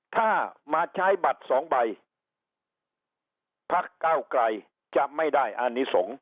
ถ้ามาใช้บัตรสองใบพักเก้าไกลจะไม่ได้อานิสงฆ